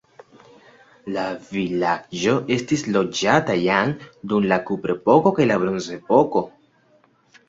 La vilaĝo estis loĝata jam dum la kuprepoko kaj bronzepoko.